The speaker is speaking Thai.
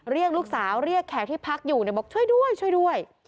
เรียกลูกสาวเรียกแขกที่พักอยู่บอกช่วยด้วยช่วยด้วย